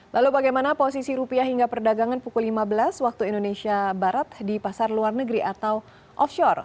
lalu bagaimana posisi rupiah hingga perdagangan pukul lima belas waktu indonesia barat di pasar luar negeri atau offshore